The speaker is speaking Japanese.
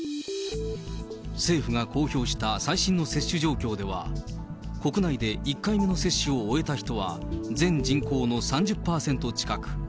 政府が公表した最新の接種状況では、国内で１回目の接種を終えた人は、全人口の３０％近く。